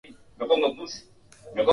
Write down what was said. haki ya kumwita mumewe kwa jina lakini